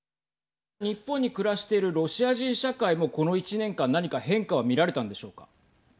日本に暮らしているロシア人社会もこの１年間何か変化は見られたのでしょうか。